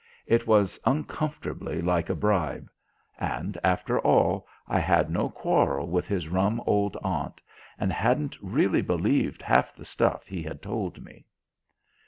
It was uncomfortably like a bribe; and, after all, I had no quarrel with his rum old aunt, and hadn't really believed half the stuff he had told me.